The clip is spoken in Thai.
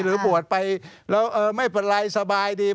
หรือบวชไปแล้วเออไม่เป็นไรสบายดี